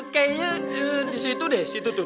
kayaknya di situ deh situ tuh